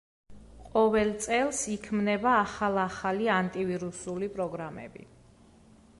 ყოველ წელს იქმნება ახალ-ახალი ანტივირუსული პროგრამები.